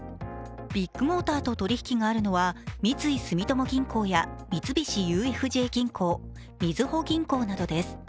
ビッグモーターと取引があるのは三井住友銀行や三菱ＵＦＪ銀行、みずほ銀行などです。